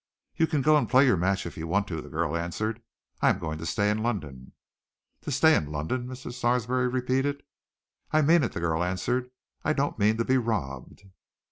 "You can go and play your match if you want to," the girl answered. "I am going to stay in London." "To stay in London?" Mr. Sarsby repeated. "I mean it," the girl answered. "I don't mean to be robbed.